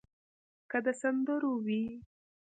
که د سندرو وي.